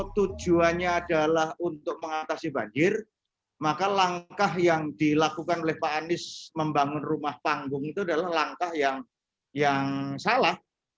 tujuannya adalah untuk mengatasi banjir maka langkah yang dilakukan oleh pak anies membangun rumah panggung itu adalah langkah yang salah